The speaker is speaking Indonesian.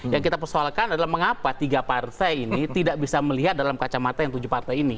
yang kita persoalkan adalah mengapa tiga partai ini tidak bisa melihat dalam kacamata yang tujuh partai ini